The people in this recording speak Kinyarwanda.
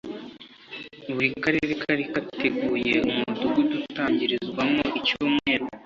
buri karere kari kateguye umudugudu utangirizwamo icyumweru